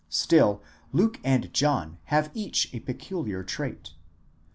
Still Luke and John have each a peculiar trait.